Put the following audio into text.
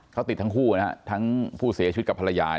เขาติดทั้งคู่ทั้งผู้เสียชีวิตกับภรรยา